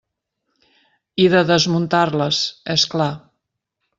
I de desmuntar-les, és clar.